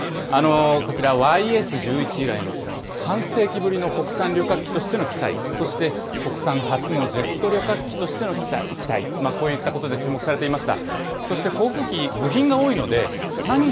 こちら、ＹＳ１１以来の、この半世紀ぶりの国産旅客機としてのきたい、そして国産初のジェット旅客機としての機体、こういったことで注目されていました。